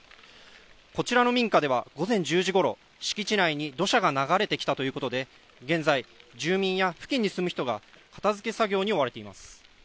こちらの民家では午前１０時ごろ、敷地内に土砂が流れてきたということで、現在住民や付近に住む人が片付け作業に追われています。